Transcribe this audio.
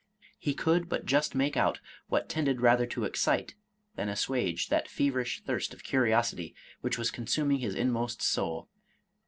He could but just make out what tended rather to excite than assuage that feverish thirst of curiosity which was consuming his inmost soul.